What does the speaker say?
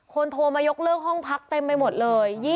โทรมายกเลิกห้องพักเต็มไปหมดเลย